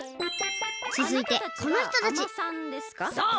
つづいてこのひとたちそう！